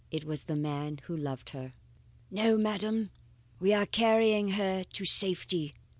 It was the man who loved her. "No, madam. We are carrying her to safety.